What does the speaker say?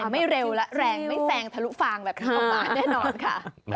ไม่เร็วและแรงไม่แซงทะลุฟางแบบนี้ออกมาแน่นอนค่ะ